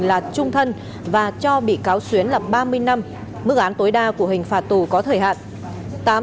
là trung thân và cho bị cáo xuyến là ba mươi năm mức án tối đa của hình phạt tù có thời hạn